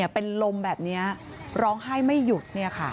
เป็นลมแบบนี้ร้องไห้ไม่หยุด